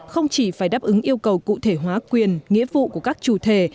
không chỉ phải đáp ứng yêu cầu cụ thể hóa quyền nghĩa vụ của các chủ thể